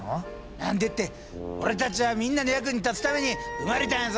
何でって俺たちはみんなの役に立つために生まれたんやぞ。